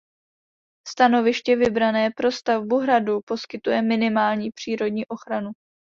Stanoviště vybrané pro stavbu hradu poskytuje minimální přírodní ochranu.